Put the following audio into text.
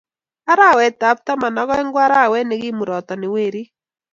Arawetab taman ak aeng ko arawet ne kimurotoni werik